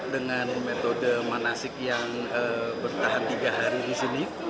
dengan metode manasik yang bertahan tiga hari di sini